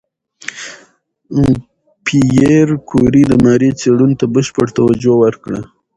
پېیر کوري د ماري څېړنو ته بشپړ توجه ورکړه.